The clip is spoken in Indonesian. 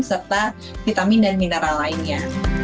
serta vitamin dan mineral lainnya